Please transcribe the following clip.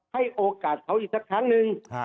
ให้โอกาสเขาอีกสักครั้งนึง